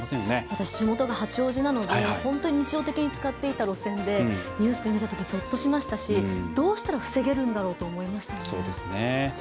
私、地元が八王子なので日常的に使ってた路線でニュースで見たときぞっとしましたしどうしたら防げるんだろうと思いましたね。